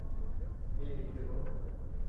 Ninditu koʼo.